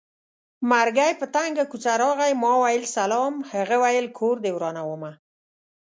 مرګی په تنګه کوڅه راغی ما وېل سلام هغه وېل کور دې ورانومه